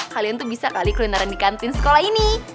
kalian tuh bisa kali kulineran di kantin sekolah ini